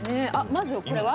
まずこれは？